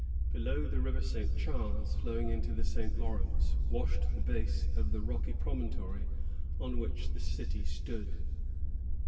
Below, the River St. Charles, flowing into the St. Lawrence, washed the base of the rocky promontory on which the city stood.